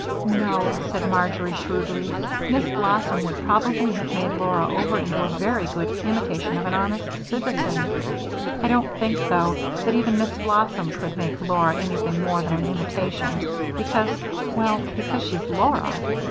"No," said Marjory, shrewdly, "Miss Blossom would probably have made Laura over into a very good imitation of an honest citizen. I don't think, though, that even Miss Blossom could make Laura anything more than an imitation, because well, because she's Laura.